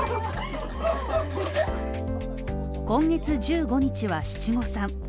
今月１５日は七五三